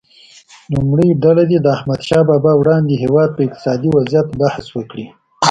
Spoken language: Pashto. لومړۍ ډله دې د احمدشاه بابا وړاندې هیواد په اقتصادي وضعه بحث وکړي.